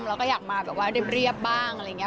เราก็อยากมาแบบว่าเรียบบ้างอะไรอย่างนี้